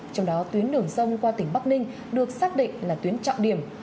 trong đó tuyến đường sông qua tỉnh bắc ninh được xác định là tuyến trọng điểm